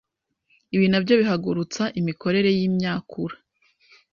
ibi nabyo bihagurutsa imikorere y'imyakura